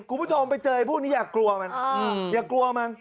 คุณผู้ชมไปเจอพวกนี้อย่ากลัวมัน